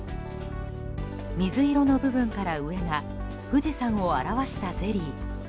水色の部分から上が富士山を表したゼリー。